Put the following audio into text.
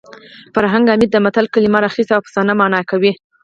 فرهنګ عمید د متل کلمه راخیستې او افسانه مانا کوي